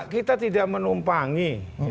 kita tidak menumpangi